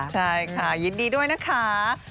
ใช่ค่ะยินดีด้วยนะคะ